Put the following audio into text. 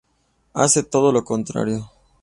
Hace todo lo contrario.